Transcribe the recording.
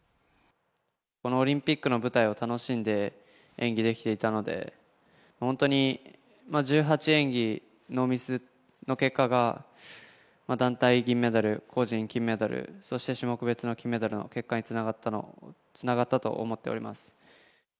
このオリンピックの舞台を楽しんで、演技できていたので、本当に１８演技ノーミスの結果が、団体銀メダル、個人金メダル、そして個人種目別の結果につながったと思っております。